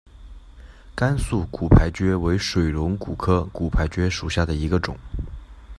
甘肃骨牌蕨为水龙骨科骨牌蕨属下的一个种。